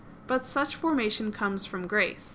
But such formation comes from grace.